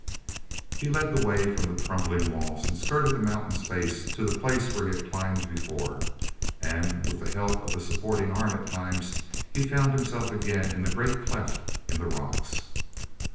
e led the way from the crumbling walls and skirted the mountain's base to the place where he had climbed before. And, with the help of a supporting arm at times, he found himself again in the great cleft in the rocks.